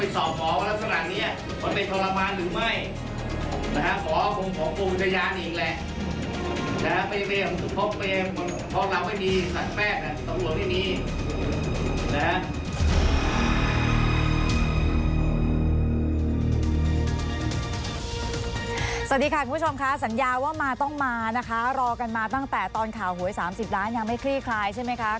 สวัสดีค่ะคุณผู้ชมค่ะสัญญาว่ามาต้องมานะคะรอกันมาตั้งแต่ตอนข่าวหวย๓๐ล้านยังไม่คลี่คลายใช่ไหมคะ